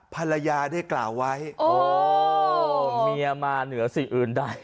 ภรรยาได้กล่าวไว้โอ้เมียมาเหนือสิ่งอื่นใด